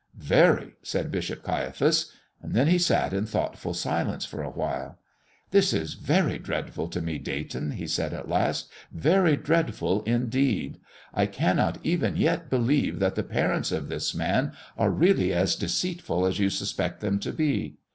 "Very," said Bishop Caiaphas. Then he sat in thoughtful silence for a while. "This is very dreadful to me, Dayton," he said, at last "very dreadful, indeed. I cannot even yet believe that the parents of this man are really as deceitful as you suspect them to be.